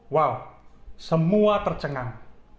wow semua tercengang